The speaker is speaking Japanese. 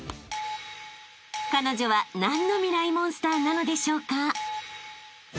［彼女は何のミライ☆モンスターなのでしょうか？］